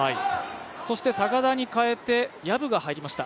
そして高田に代えて、藪が入りました。